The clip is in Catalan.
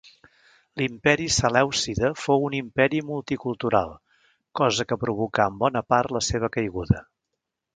L'imperi Selèucida fou un imperi multicultural, cosa que provocà en bona part la seva caiguda.